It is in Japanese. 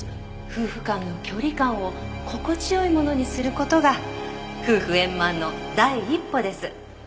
「夫婦間の距離感を心地よいものにする事が夫婦円満の第一歩です」